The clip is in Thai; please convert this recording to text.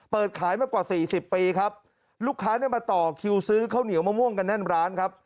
เปิดขายมากว่าสี่สิบปีครับลูกค้าเนี่ยมาต่อคิวซื้อข้าวเหนียวมะม่วงกันแน่นร้านครับ